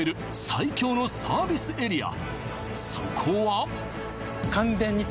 最強のサービスエリア